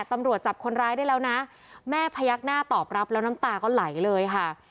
ตำรวจจับคนร้ายได้แล้วนะแม่พยักหน้าตอบรับแล้วน้ำตาก็ไหลเลยค่ะ